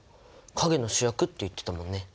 陰の主役って言ってたもんね。